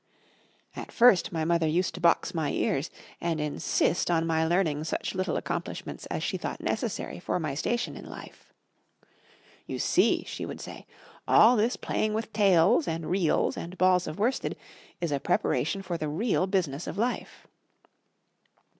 At first my mother used to box my ears, and insist on my learning such little accomplishments as she thought necessary for my station in life. "You see," she would say, "all this playing with tails and reels and balls of worsted is a preparation for the real business of life."